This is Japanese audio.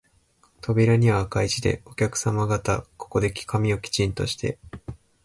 扉には赤い字で、お客さま方、ここで髪をきちんとして、